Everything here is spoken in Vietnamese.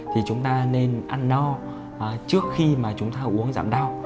thì chúng ta nên ăn no trước khi mà chúng ta uống giảm đau